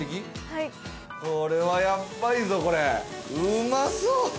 はいこれはヤッバいぞこれうまそう！